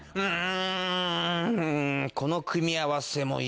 うん。